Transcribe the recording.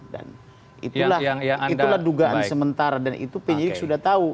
dan itulah dugaan sementara dan itu penyidik sudah tahu